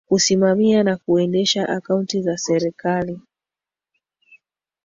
kusimamia na kuendesha akaunti za serikali